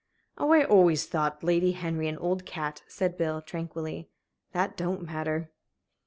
"Oh, I always thought Lady Henry an old cat," said Bill, tranquilly. "That don't matter."